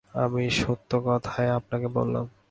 আমি সত্যি কথাই আপনাকে বললাম।